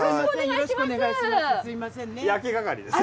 よろしくお願いします。